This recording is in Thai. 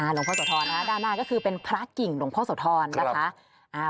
หลวงพ่อโสธรด้านหน้าก็คือเป็นพระกิ่งหลวงพ่อโสธรนะคะ